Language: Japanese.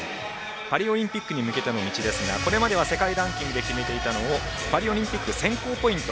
パリオリンピックに向けての道ですがこれまでは世界ランキングで決めていたのをパリオリンピック選考ポイント